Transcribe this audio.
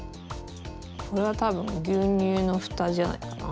これはたぶんぎゅうにゅうのフタじゃないかな。